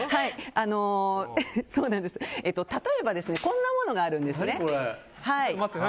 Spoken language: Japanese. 例えばこんなものがあるんですね。